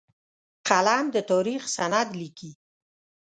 قلم د تاریخ سند لیکي